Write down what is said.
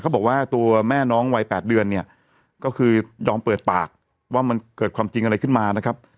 บอกว่าตัวแม่น้องวัย๘เดือนเนี่ยก็คือยอมเปิดปากว่ามันเกิดความจริงอะไรขึ้นมานะครับ